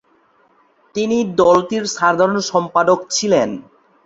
তিনি দলটির সাধারণ সম্পাদক ছিলেন।